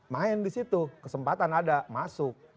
main di situ kesempatan ada masuk